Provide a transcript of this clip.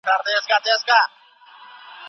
داخلي بازارونو تېر کال لږه اقتصادي پراختيا وموندله.